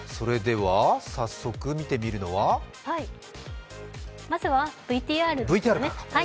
早速見てみるのはまずはＶＴＲですね。